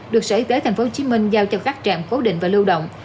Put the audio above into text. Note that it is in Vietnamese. được sở y tế tp hcm giao cho các trạm cố định và lưu động